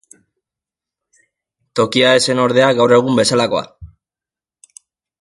Tokia ez zen ordea gaur egun bezalakoa.